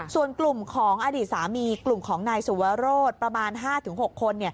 ส่วนกลุ่มของอดีตสามีกลุ่มของนายสุวรสประมาณ๕๖คน